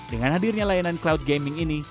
dengan hadirnya layanan cloud gaming ini